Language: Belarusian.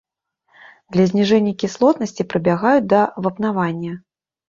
Для зніжэння кіслотнасці прыбягаюць да вапнавання.